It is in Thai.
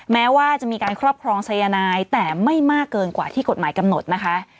แม้ว่าจะมีการครอบครองสายนายแต่ไม่มากเกินกว่าที่กฎหมายกำหนดนะคะ